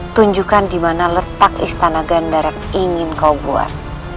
tunjukkan dimana letak istana gandar yang ingin kau buat